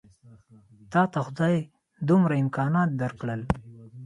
تاته خدای دومره امکانات درکړل.